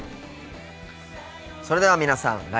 それでは皆さん